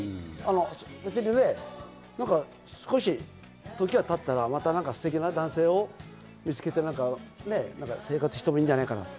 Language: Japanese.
別にね、時が経ったら、またステキな男性を見つけて生活してもいいじゃないかなって。